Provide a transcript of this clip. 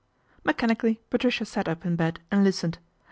" Mechanically Patricia sat up in bed and listened.